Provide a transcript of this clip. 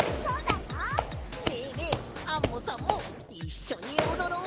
アンモさんもいっしょにおどろう！